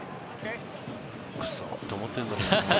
くそ！って思ってるんだろ